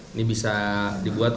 ini bisa dibuat